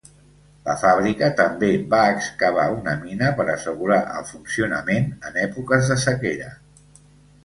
La fàbrica també va excavar una mina per assegurar el funcionament en èpoques de sequera.